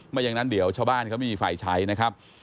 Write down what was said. ไม่อย่างนั้นเดี๋ยวชาวบ้านเขาไม่มีไฟใช้นะครับ